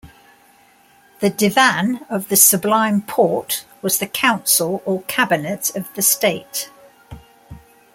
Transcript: The "divan of the Sublime Porte" was the council or Cabinet of the state.